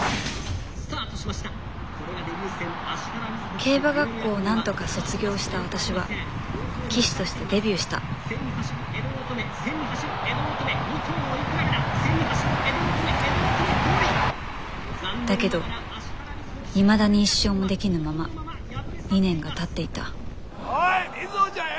競馬学校をなんとか卒業した私は騎手としてデビューしただけどいまだに１勝もできぬまま２年がたっていたおい瑞穂ちゃんよ！